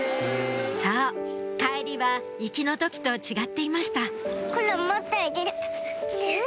そう帰りは行きの時と違っていましたえ？